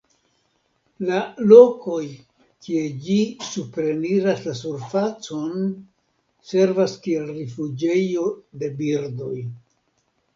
La lokoj, kie ĝi supreniras la surfacon, servas kiel rifuĝejo de birdoj.